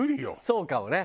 そうかもね。